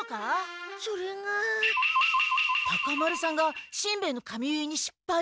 タカ丸さんがしんべヱの髪結いに失敗？